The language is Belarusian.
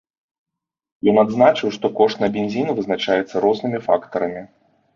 Ён адзначыў, што кошт на бензін вызначаецца рознымі фактарамі.